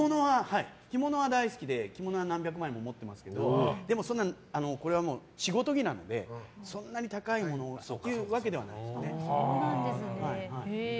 着物は大好きで着物は何百万円のも持っているんですけどでも、これは仕事着なのでそんなに高いものというわけではないですね。